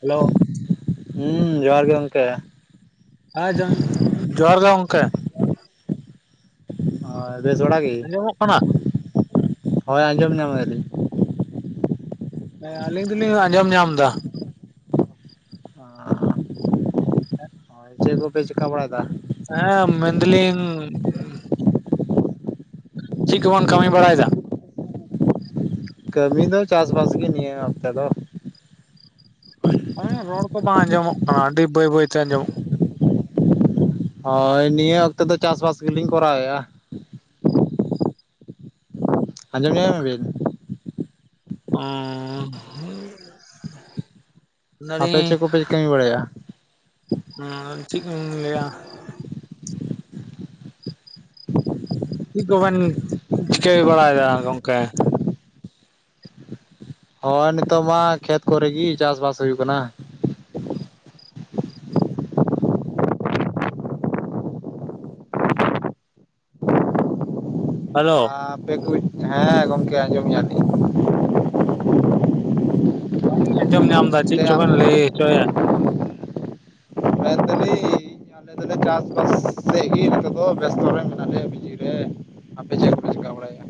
Hello. ᱦᱩᱸ ᱡᱚᱦᱟᱨ ᱜᱮ ᱜᱚᱝᱠᱮ? ᱟ ᱡᱟᱝ ᱡᱚᱦᱟᱨ ᱜᱮ ᱜᱚᱝᱠᱮ᱾ ᱦᱚᱭ ᱵᱮᱥ ᱵᱟᱲᱟ ᱜᱤ ᱟᱸᱡᱚᱢᱚᱜ ᱠᱟᱱᱟ? ᱦᱚᱭ ᱟᱸᱡᱚᱢ ᱧᱟᱢᱮᱜᱼᱟ ᱞᱤᱧ? ᱦᱮᱸ ᱟᱞᱤᱧ ᱫᱩᱞᱤᱧ ᱟᱸᱡᱚᱢ ᱧᱟᱢ ᱫᱟ᱾ ᱟᱸᱻ᱾ ᱦᱚᱭ ᱪᱮᱜ ᱠᱚᱯᱮ ᱪᱤᱠᱟ ᱵᱟᱲᱟᱭ ᱫᱟ? ᱦᱮᱸ ᱢᱮᱱ ᱫᱟᱹᱞᱤᱧ ᱩᱸᱼᱼ ᱪᱤᱜ ᱠᱚᱵᱮᱱ ᱠᱟᱢᱤ ᱵᱟᱲᱟᱭ ᱫᱟ? ᱠᱟᱹᱢᱤ ᱫᱚ ᱪᱟᱥ ᱵᱟᱥ ᱜᱮ ᱱᱤᱭᱟᱹ ᱚᱠᱛᱮ ᱫᱚ᱾ ᱚᱭᱮᱸ ᱨᱚᱲ ᱠᱚ ᱵᱟᱝ ᱟᱸᱡᱚᱢᱚᱜ ᱠᱟᱱᱟ ᱟᱹᱰᱤ ᱵᱟᱹᱭ ᱵᱟᱹᱭ ᱛᱮ ᱟᱸᱡᱚᱢᱚᱜᱼᱼ ᱦᱳᱭ ᱱᱤᱭᱟᱹ ᱚᱠᱛᱚ ᱫᱚ ᱪᱟᱥᱵᱟᱥ ᱜᱮᱞᱤᱧ ᱠᱚᱨᱟᱣᱮᱼᱟ᱾ ᱟᱡᱚᱢ ᱧᱟᱢ ᱮᱭᱟ ᱵᱤᱱ? ᱦᱩᱸᱼᱼ ᱟᱯᱮ ᱟᱞᱤᱧ ᱪᱮᱫ ᱠᱚᱯᱮ ᱠᱟᱹᱢᱤ ᱵᱟᱲᱟᱭᱟ ᱮᱸᱻ ᱪᱭᱟ [unintelligible] ᱞᱟ. ᱭᱟ ᱪᱮᱫ ᱠᱚᱵᱮᱱ ᱪᱤᱠᱟᱹᱭ ᱵᱟᱲᱟᱭᱮᱫᱟ ᱜᱚᱝᱠᱮ? ᱦᱳᱭ ᱱᱤᱛᱚᱜ ᱢᱟ ᱠᱷᱮᱛ ᱠᱚᱨᱮᱜ ᱜᱮ ᱪᱟᱥᱵᱟᱥ ᱦᱩᱭᱩᱜ ᱠᱟᱱᱟ᱾ ᱦᱮᱞᱳ ᱦᱟ ᱟᱯᱮ ᱠᱚᱡ ᱦᱮᱸ ᱜᱚᱢᱠᱮ ᱟᱸᱡᱚᱢ ᱧᱟᱢ ᱞᱤᱧ ᱵᱟᱝ ᱞᱤᱧ ᱟᱸᱡᱚᱢ ᱧᱟᱢ ᱮᱫᱟ ᱪᱮᱫ ᱪᱚᱝ ᱵᱮᱱ ᱞᱟᱹᱭ ᱚᱱᱛᱮ ᱦᱚᱪᱚ ᱮᱫ᱾ ᱢᱮᱱ ᱫᱟᱞᱤᱧ [inaudible] ᱟᱞᱮ ᱫᱚᱞᱮ ᱪᱟᱥ ᱵᱟᱥ ᱥᱮᱫ ᱜᱮ ᱱᱚᱛᱮ ᱫᱚ ᱵᱮᱥᱛᱚ ᱨᱮ ᱢᱮᱱᱟᱜ ᱞᱮᱭᱟ ᱞᱤᱧᱼᱟ ᱵᱤᱡᱤᱨᱮ ᱟᱯᱮ ᱪᱮᱫ ᱠᱚᱯᱮ ᱪᱤᱠᱟ ᱵᱟᱲᱟᱭᱟ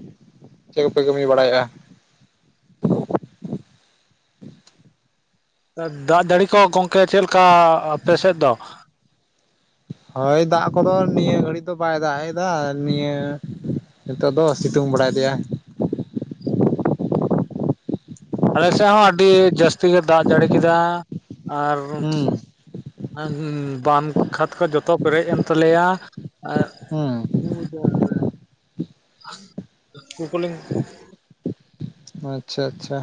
ᱪᱮᱫ ᱠᱚᱯᱮ ᱠᱟᱹᱢᱤ ᱵᱟᱲᱟᱭᱟ? ᱫᱟᱜ ᱡᱟᱹᱲᱤ ᱠᱚ ᱜᱚᱢᱠᱮ ᱪᱮᱫ ᱞᱮᱠᱟ ᱟᱯᱮ ᱥᱮᱫ ᱫᱚ? ᱦᱳᱭ ᱫᱟᱜ ᱠᱚᱫᱚ ᱱᱤᱭᱟᱹ ᱜᱷᱟᱹᱲᱤ ᱫᱚ ᱵᱟᱭ ᱫᱟᱜ ᱮᱫᱟ ᱱᱤᱭᱟᱹ ᱱᱤᱛᱚᱜ ᱫᱚ ᱥᱤᱛᱩᱝ ᱵᱟᱲᱟᱭ ᱮᱫᱮᱭᱟ, ᱟᱞᱮ ᱥᱮᱫ ᱦᱚᱸ ᱟᱹᱰᱤ ᱡᱟᱹᱥᱛᱤ ᱜᱮ ᱫᱟᱜ ᱡᱟᱹᱲᱤ ᱠᱮᱫᱟ᱾ ᱟᱨ ᱦᱩᱸ ᱵᱟᱸᱫᱷ ᱠᱷᱟᱮᱛ ᱠᱚ ᱡᱚᱛᱚ ᱯᱮᱨᱮᱡ ᱮᱱ ᱛᱟᱞᱮᱭᱟ᱾ ᱦᱩᱸ [unintelligible] ᱟᱪᱪᱷᱟ ᱟᱪᱪᱷᱟ᱾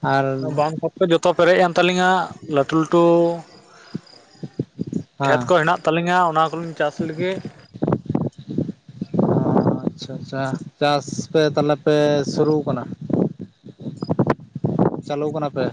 ᱟᱨ ᱦᱮᱸ ᱵᱟᱸᱫᱷ ᱯᱩᱠᱷᱨᱤ ᱡᱚᱛᱚ ᱯᱮᱨᱮᱡ ᱮᱱ ᱛᱟᱞᱤᱧᱟ ᱞᱟᱹᱴᱩ ᱞᱟᱹᱴᱩ ᱠᱷᱮᱛ ᱠᱚ ᱟᱪᱪᱷᱟ ᱦᱮᱱᱟᱜ ᱛᱟᱞᱤᱧᱟ ᱚᱱᱟ ᱠᱚᱞᱤᱧ ᱪᱟᱥ ᱞᱮᱜᱮ, ᱚ ᱟᱪᱪᱷᱟ ᱟᱪᱪᱷᱟ ᱪᱟᱥ ᱯᱮ ᱛᱟᱦᱚᱞᱮ ᱯᱮ ᱥᱩᱨᱩ ᱠᱟᱱᱟ? ᱪᱟᱹᱞᱩ ᱠᱟᱱᱟ ᱯᱮ?